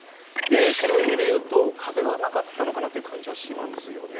その意味で言うと風はなかったのかなという気がします。